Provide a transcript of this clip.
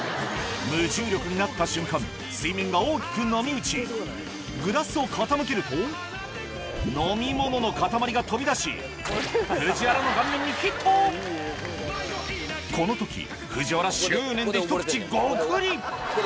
無重力になった瞬間水面が大きく波打ちグラスを傾けると飲み物の塊が飛び出し藤原のこの時藤原執念でひと口ゴクリ！